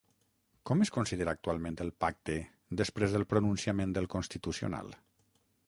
Com es considera actualment el pacte després del pronunciament del constitucional?